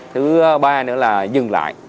thứ ba nữa là dừng lại